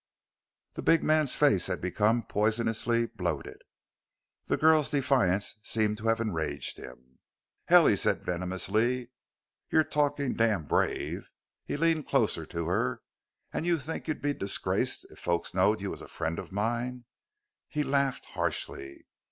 The big man's face had become poisonously bloated. The girl's defiance seemed to have enraged him. "Hell!" he said venomously. "You're talking damn brave!" He leaned closer to her. "And you think you'd be disgraced if folks knowed you was a friend of mine?" He laughed harshly.